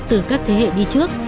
từ các thế hệ đi trước